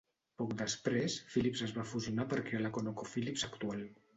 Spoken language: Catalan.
Poc després, Phillips es va fusionar per crear la ConocoPhillips actual.